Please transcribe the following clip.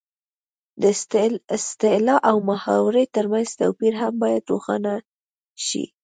د اصطلاح او محاورې ترمنځ توپیر هم باید روښانه شي